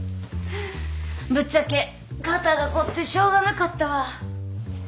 ぶっちゃけ肩が凝ってしょうがなかったわ